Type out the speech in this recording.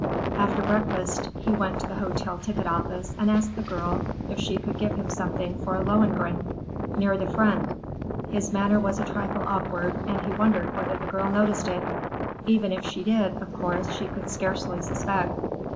After breakfast he went to the hotel ticket office and asked the girl if she could give him something for "Lohengrin," "near the front." His manner was a trifle awkward and he wondered whether the girl noticed it. Even if she did, of course, she could scarcely suspect.